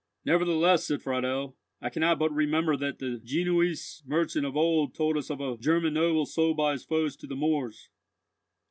"Nevertheless," said Friedel, "I cannot but remember that the Genoese merchant of old told us of a German noble sold by his foes to the Moors."